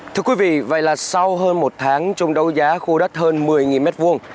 thưa quý vị vậy là sau hơn một tháng trung đấu giá khu đất hơn một mươi mét vuông